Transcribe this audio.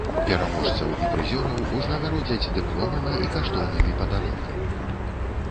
Пераможцаў і прызёраў узнагародзяць дыпломамі і каштоўнымі падарункамі.